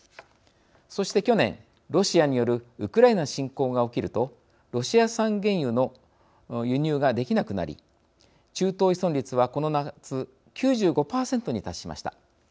そして去年、ロシアによるウクライナ侵攻が起きるとロシア産原油の輸入ができなくなり中東依存率はこの夏、９５％に達しました。